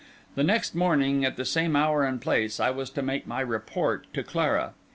The next morning, at the same hour and place, I was to make my report to Clara.